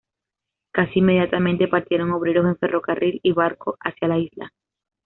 Casi inmediatamente, partieron obreros en ferrocarril y barco hacia la isla.